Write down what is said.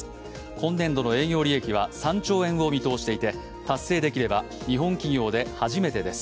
今年度の営業利益は３兆円を見通していて達成できれば日本企業で初めてです。